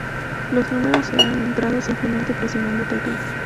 Los números eran entrados simplemente presionando teclas.